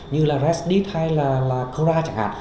như là resdit hay là cora chẳng hạn